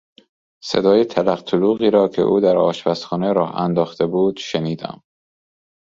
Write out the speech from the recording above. صدای تلق تلوقی را که او در آشپزخانه راه انداخته بود، شنیدم.